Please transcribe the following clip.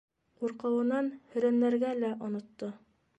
Ҡурҡыуынан һөрәнләргә лә онотто.